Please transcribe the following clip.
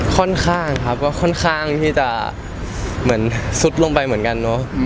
ค่อนข้างครับเพราะว่าค่อนข้างที่จะสุดลงไปเหมือนกันเนอะ